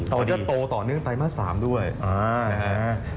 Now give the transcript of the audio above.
ก็จะโตต่อเนื่องไตม่๓ด้วยนะครับ